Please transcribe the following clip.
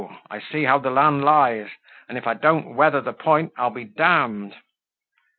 I see how the land lies, and if I don't weather the point, I'll be d d."